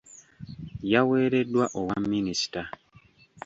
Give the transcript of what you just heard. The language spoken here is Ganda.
Yaweereddwa obwa minisita.